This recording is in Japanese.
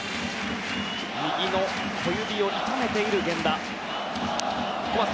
右の小指を痛めている源田。